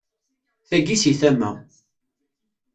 Tagi si tama.